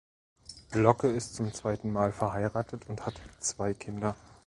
Locke ist zum zweiten Mal verheiratet und hat zwei Kinder.